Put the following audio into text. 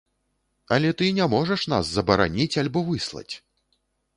Але ты не можаш нас забараніць альбо выслаць!